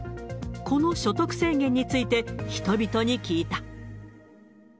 この所得制限について、人々に聞いた。